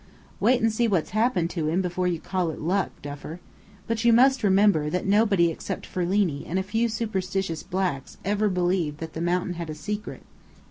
"Wait and see what's happened to him before you call it 'luck,' Duffer. But you must remember that nobody except Ferlini and a few superstitious blacks ever believed that the mountain had a secret.